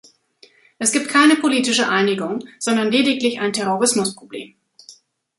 Es gibt keine politische Einigung, sondern lediglich ein Terrorismusproblem.